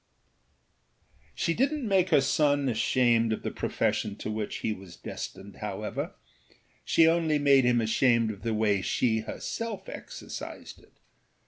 She didnât make her son ashamed of the profession to which he was destined, however; she only made him ashamed of the way she herself exercised it.